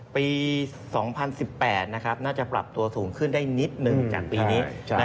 ปี๒๐๑๘น่าจะปรับตัวสูงขึ้นได้นิดหนึ่งจากปีนี้